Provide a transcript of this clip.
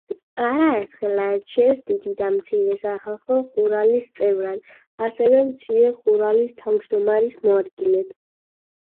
არაერთხელ აირჩიეს დიდი და მცირე სახალხო ხურალის წევრად, ასევე მცირე ხურალის თავჯდომარის მოადგილედ.